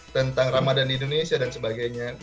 tentang ramadan di indonesia dan sebagainya